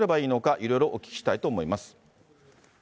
いろいろお聞きしたいと思います。